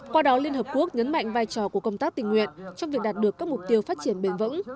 qua đó liên hợp quốc nhấn mạnh vai trò của công tác tình nguyện trong việc đạt được các mục tiêu phát triển bền vững